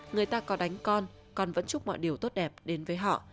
người ta có đánh con vẫn chúc mọi điều tốt đẹp đến với họ